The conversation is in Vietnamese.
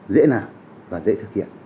dễ làm và dễ thực hiện